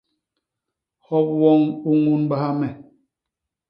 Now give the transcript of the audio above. Hop woñ u ñunbaha me.